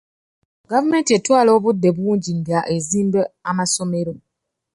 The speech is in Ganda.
Gavumenti etwala obudde bungi nga ezimba amasomero.